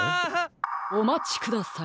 おまちください。